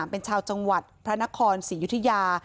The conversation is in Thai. เป็นชาวจังหวัดพระนครศรียุธยา